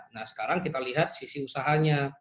nah sekarang kita lihat sisi usahanya